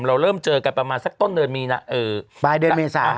เราเริ่มเจอกันประมาณสักต้นเดือนมีนา